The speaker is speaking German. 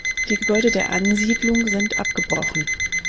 Die Gebäude der Ansiedlung sind abgebrochen.